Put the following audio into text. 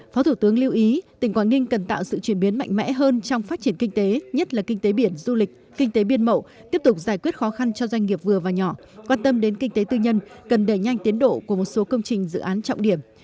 phó thủ tướng lưu ý tỉnh quảng ninh cần tạo sự chuyển biến mạnh mẽ hơn trong phát triển kinh tế nhất là kinh tế biển du lịch kinh tế biên mậu tiếp tục giải quyết khó khăn cho doanh nghiệp vừa và nhỏ quan tâm đến kinh tế tư nhân cần đẩy nhanh tiến độ của một số công trình dự án trọng điểm